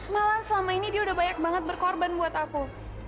malahan selama ini dia udah banyak banget berkorban buat aku